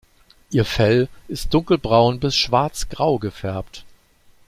Ihr Fell ist dunkelbraun bis schwarzgrau gefärbt.